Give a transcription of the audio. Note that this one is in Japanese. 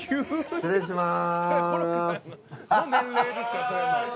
失礼します。